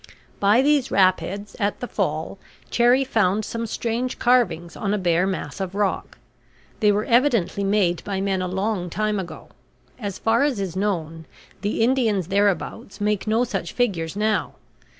By these rapids, at the fall, Cherrie found some strange carvings on a bare mass of rock. They were evidently made by men a long time ago. As far as is known, the Indians thereabouts make no such figures now.